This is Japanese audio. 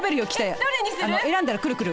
選んだらくるくる。